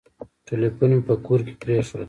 ټلیفون مي په کور کي پرېښود .